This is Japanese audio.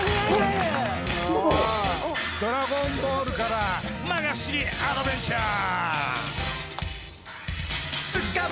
「ドラゴンボール」から「摩訶不思議アドベンチャー！」